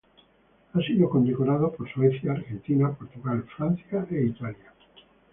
Ha sido condecorado por Suecia, Argentina, Portugal, Francia e Italia.